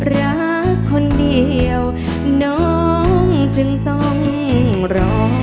รักคนเดียวน้องจึงต้องรอ